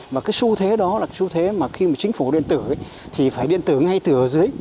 và cái xu thế đó là xu thế mà khi mà chính phủ điện tử thì phải điện tử ngay từ ở dưới